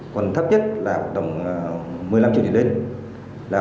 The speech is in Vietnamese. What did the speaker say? còn thấp nhất là tầm một mươi năm triệu điểm lên